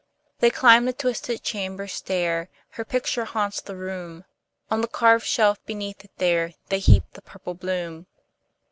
They climb the twisted chamber stair; Her picture haunts the room; On the carved shelf beneath it there, They heap the purple bloom.